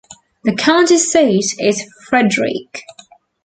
The county seat is Frederick.